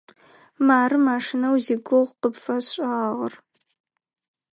Мары машинэу зигугъу къыпфэсшӏыгъагъэр.